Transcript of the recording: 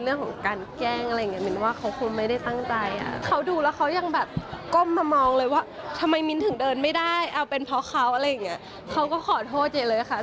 เอ้าเป็นเพราะเขาอะไรอย่างนี้เขาก็ขอโทษเลยค่ะ